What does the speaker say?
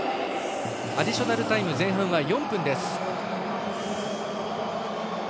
アディショナルタイム前半は４分です。